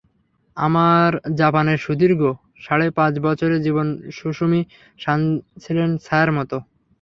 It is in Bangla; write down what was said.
আমার জাপানের সুদীর্ঘ সাড়ে পাঁচ বছরের জীবনে সুসুমি সান ছিলেন ছায়ার মতো।